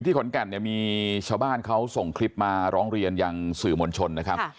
ขอนแก่นเนี่ยมีชาวบ้านเขาส่งคลิปมาร้องเรียนยังสื่อมวลชนนะครับ